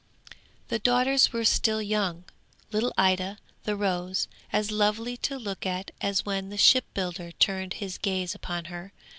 'The daughters were still young. Little Ida, the rose, as lovely to look at as when the shipbuilder turned his gaze upon her.